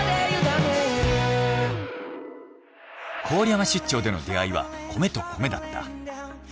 郡山出張での出会いは米と米だった。